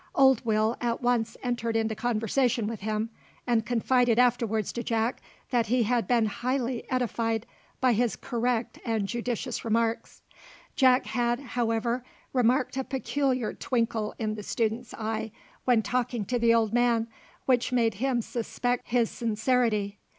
Old Will at once entered into conversation with him, and confided afterwards to Jack that he had been highly edified by his correct and judicious remarks. Jack had, however, remarked a peculiar twinkle in the student's eye when talking to the old man, which made him suspect his sincerity.